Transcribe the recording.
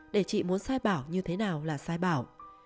để chị muốn sai bảo như thế nào là sai bảo